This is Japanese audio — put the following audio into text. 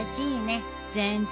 全然。